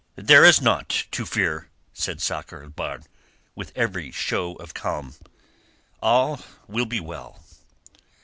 "There is naught to fear," said Sakr el Bahr, with every show of calm. "All will be well."